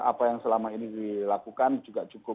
apa yang selama ini dilakukan juga cukup